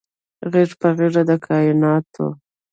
غیږ په غیږ د کائیناتو